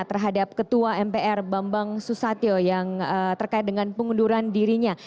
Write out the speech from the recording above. terhadap ketua mpr bambang susatyo yang terkait dengan pengunduran dirinya